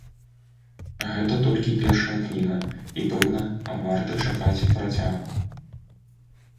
Гэта толькі першая кніга, і пэўна, варта чакаць працягу.